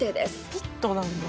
ピットなんだ。